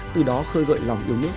từ đó khơi gợi lòng yêu mít